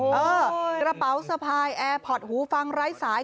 กระเป๋าสะพายแอร์พอร์ตหูฟังไร้สาย